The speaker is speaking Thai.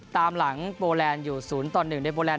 ตามหลังโบแลนด์อยู่ศูนย์ตอนหนึ่งในโบแลนด์